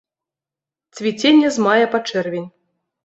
Цвіценне з мая па чэрвень.